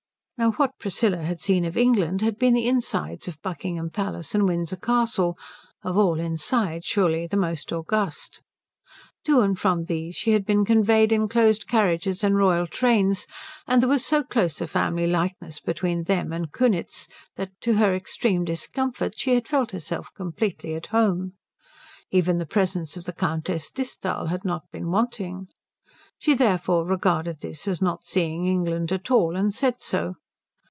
Now what Priscilla had seen of England had been the insides of Buckingham Palace and Windsor Castle; of all insides surely the most august. To and from these she had been conveyed in closed carriages and royal trains, and there was so close a family likeness between them and Kunitz that to her extreme discomfort she had felt herself completely at home. Even the presence of the Countess Disthal had not been wanting. She therefore regarded this as not seeing England at all, and said so.